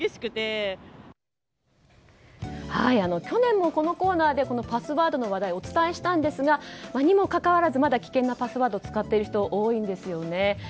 去年もこのコーナーでパスワードの話題をお伝えしたんですがにもかかわらずまだ危険なパスワードを使っている方、多いんですよね。